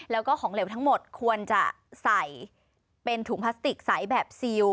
แล้วก็ของเหลวทั้งหมดควรจะใส่เป็นถุงพลาสติกใสแบบซิล